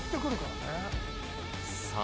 さあ